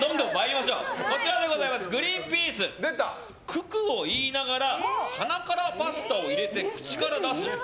九九を言いながら鼻からパスタを入れて口から出す。